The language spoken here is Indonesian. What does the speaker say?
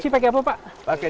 pak apa yang pakai